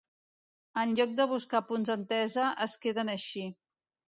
En lloc de buscar punts d’entesa, es queden així.